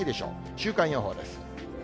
週間予報です。